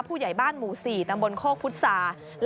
ผู้ใหญ่บ้านหมู่สี่ตำบลโคกพุทธศาสตร์